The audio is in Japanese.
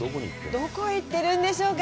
どこに行ってるんでしょうか。